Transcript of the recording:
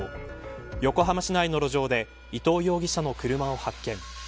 横浜市内の路上で伊藤容疑者の車を発見。